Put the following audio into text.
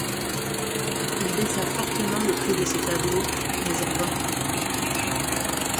Il baissa fortement le prix de ses tableaux, mais en vain.